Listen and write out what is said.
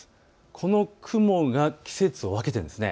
この雲が季節を分けているんです。